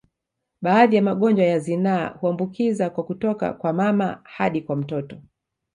Baadhi ya magonjwa ya zinaa huambukiza kwa kutoka kwa mama hadi kwa mtoto